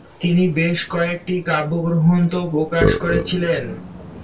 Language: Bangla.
তিনি বেশ কয়েকটি কাব্যগ্রন্থও প্রকাশ করেছিলেন।